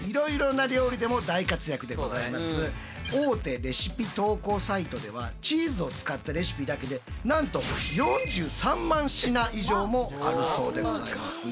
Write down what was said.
チーズって大手レシピ投稿サイトではチーズを使ったレシピだけでなんと４３万品以上もあるそうでございますね。